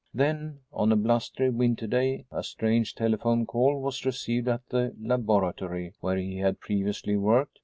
Then, on a blustery winter day, a strange telephone call was received at the laboratory where he had previously worked.